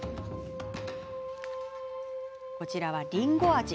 こちらは、りんご味。